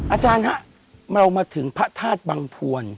อาจารย์ฮะเรามาถึงพระธาตุบังพวน